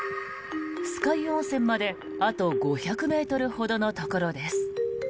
酸ヶ湯温泉まであと５００ｍほどのところです。